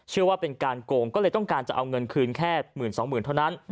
ชื่อว่าเป็นการโกงก็เลยต้องการจะเอาเงินคืนแค่หมื่นสองหมื่นเท่านั้น